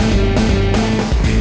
udah bocan mbak